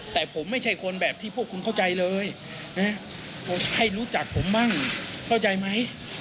แต่ผมไม่ใช่คนแบบที่พวกคุณเข้าใจเลยให้รู้จักผมบ้างเข้าใจไหม